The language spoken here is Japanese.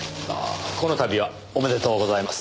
この度はおめでとうございます。